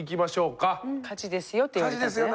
火事ですよって言われたんですよね。